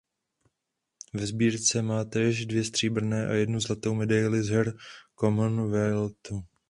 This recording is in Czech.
Ve sbírce má též dvě stříbrné a jednu zlatou medaili z her Commonwealthu.